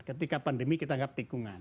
ketika pandemi kita anggap tikungan